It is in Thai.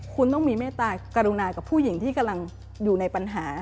คุณต้องมีเมตตากรุณากับผู้หญิงที่กำลังอยู่ในปัญหา